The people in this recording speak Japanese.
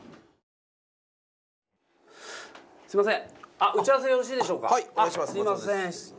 あっすいません。